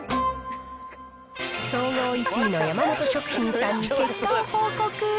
総合１位の山本食品さんに結果を報告。